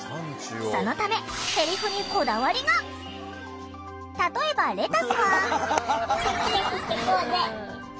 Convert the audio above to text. そのため例えばレタスは。